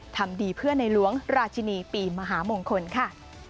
ทำดีเพื่อในหลวงราชินีปีมหามงคลค่ะ